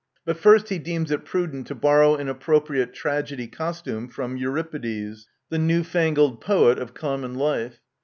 But first he deems it prudent to borrow an appropriate tragedy costume from Euripides, the new fangled poet of common life.